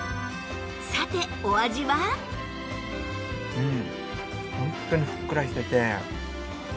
うん。